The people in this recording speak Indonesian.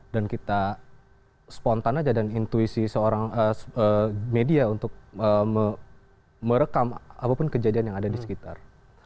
kita spontan aja dan intuisi seorang media untuk merekam apapun kejadian yang ada di sekitar